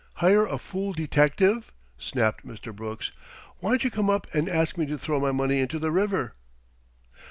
Hire a fool detective?" snapped Mr. Brooks. "Why'n't you come up and ask me to throw my money into the river?"